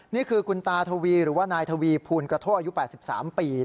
นี่คือคุณตาทวีหรือว่านายทวีภูลกระโทอายุ๘๓ปี